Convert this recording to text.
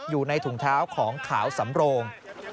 อยู่ในถุงเท้าของขาวสำโรง